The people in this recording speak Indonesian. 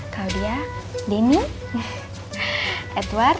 kalau dia denny edward